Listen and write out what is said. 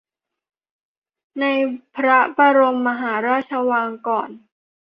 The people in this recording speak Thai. ในพระบรมมหาราชวังก่อน